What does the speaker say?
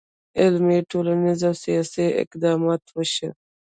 علمي، ټولنیز، او سیاسي اقدامات وشي.